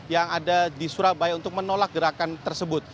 yang ada di surabaya untuk menolak gerakan tersebut